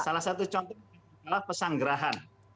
salah satu contoh adalah pesanggerahan